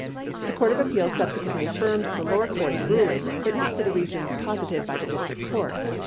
The Court of Appeals subsequently affirmed the lower court's ruling, but not for the reasons posited by the district court.